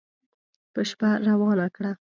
په شپه روانه کړه